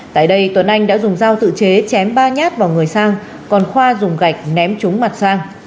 tại đây tuấn anh đã dùng dao tự chế chém ba nhát vào người sang còn khoa dùng gạch ném trúng mặt sang